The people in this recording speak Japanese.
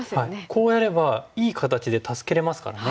こうやればいい形で助けれますからね。